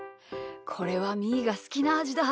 これはみーがすきなあじだ！